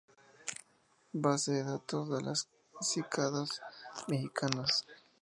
Base de datos de la cícadas mexicanas.